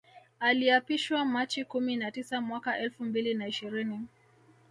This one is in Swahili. Aliapishwa Machi kumi na tisa mwaka elfu mbili na ishirini